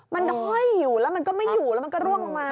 มันห้อยอยู่แล้วมันก็ไม่อยู่แล้วมันก็ร่วงลงมา